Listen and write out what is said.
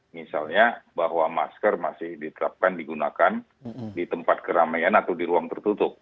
misalnya bahwa masker masih diterapkan digunakan di tempat keramaian atau di ruang tertutup